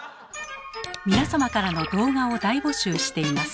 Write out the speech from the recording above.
皆様からの動画を大募集しています。